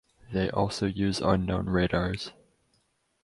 They also use unknown radars.